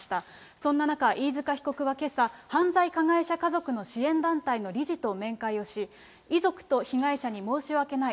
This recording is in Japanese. そんな中、飯塚被告はけさ、犯罪加害者家族の支援団体の理事と面会をし、遺族と被害者に申し訳ない。